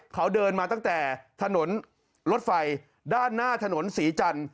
เขาเดินมาตั้งแต่ถนนรถไฟด้านหน้าถนนศรีจันทร์